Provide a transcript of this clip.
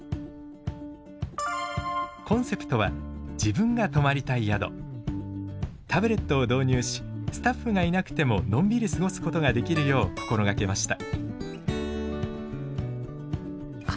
コンセプトはタブレットを導入しスタッフがいなくてものんびり過ごすことができるよう心掛けました。